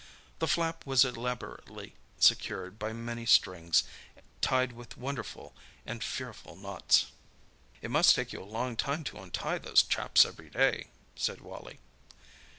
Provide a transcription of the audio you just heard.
The flap was elaborately secured by many strings, tied with wonderful and fearful knots. "It must take you a long time to untie those chaps every day," said Wally.